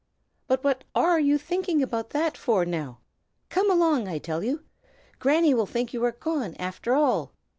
But what are you thinking about that for, now? Come along, I tell you! Granny will think you are gone, after all."